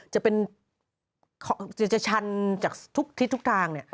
จะชันที่ทุกทาง